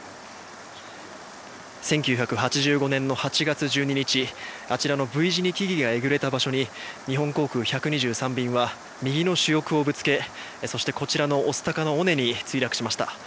１９８５年の８月１２日あちらのＶ字に木々がえぐれた場所に日本航空１２３便はあちらに主翼をぶつけそして、こちらの御巣鷹の尾根に墜落しました。